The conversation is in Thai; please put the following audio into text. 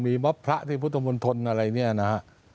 มีมพระที่พุทธมนต์ทนอะไรแบบนี้นะฮะ